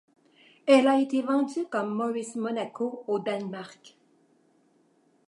Elle a été vendue comme Morris Monaco au Danemark.